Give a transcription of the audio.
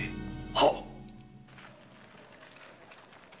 はっ！